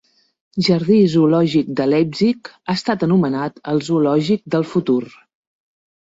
Jardí zoològic de Leipzig ha estat anomenat el "zoològic del futur".